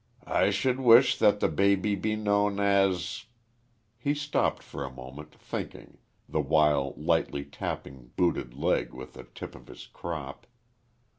I should wish that the baby be known as" he stopped for a moment, thinking, the while lightly tapping booted leg with the tip of his crop.